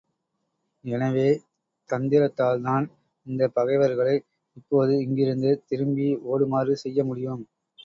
எனவே தந்திரத்தால்தான் இந்தப் பகைவர்களை இப்போது இங்கிருந்து திரும்பி ஓடுமாறு செய்ய முடியும்.